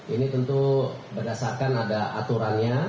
ini tentu berdasarkan ada aturannya